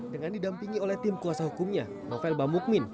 dengan didampingi oleh tim kuasa hukumnya novel bamukmin